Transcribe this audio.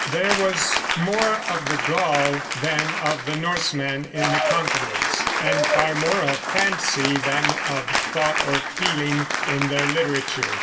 There was more of the Gaul than of the Norseman in the conquerors, and far more of fancy than of thought or feeling in their literature.